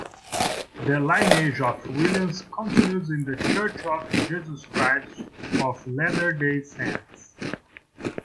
The lineage of Williams continues in The Church of Jesus Christ of Latter-day Saints.